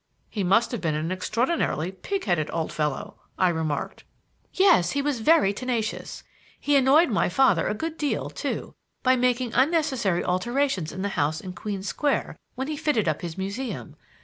"He must have been an extraordinarily pig headed old fellow," I remarked. "Yes; he was very tenacious. He annoyed my father a good deal, too, by making unnecessary alterations in the house in Queen Square when he fitted up his museum.